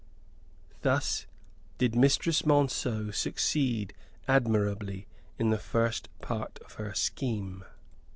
Thus did Mistress Monceux succeed admirably in the first part of her scheme.